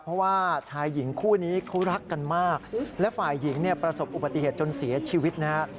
เพราะว่าชายหญิงคู่นี้เขารักกันมากและฝ่ายหญิงเนี่ยประสบอุบัติเหตุจนเสียชีวิตนะฮะ